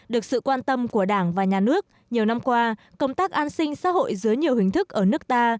được sự quan tâm của đảng và nhà nước nhiều năm qua công tác an sinh xã hội dưới nhiều hình thức ở nước ta